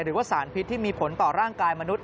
หรือว่าสารพิษที่มีผลต่อร่างกายมนุษย